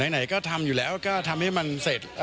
ไหนก็ทำอยู่แล้วก็ทำให้มันเสร็จ